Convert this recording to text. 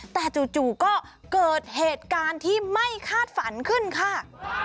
แต่จู่ก็เกิดเหตุการณ์ที่ไม่คาดฝันขึ้นค่ะ